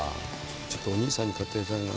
ちょっとお義兄さんに買ってあげたいな。